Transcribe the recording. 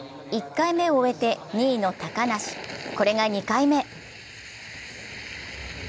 １回目を終えて２位の高梨、これが２回目。